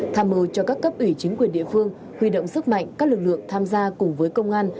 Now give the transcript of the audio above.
tham mưu cho các cấp ủy chính quyền địa phương huy động sức mạnh các lực lượng tham gia cùng với công an